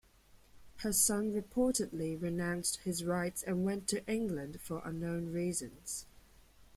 Her son reportedly renounced his rights and went to England, for unknown reasons.